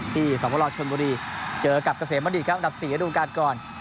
ที่สวรรค์ชนบุรีเจอกับเกษตรมดิตครับดับ๔ให้ดูกันก่อน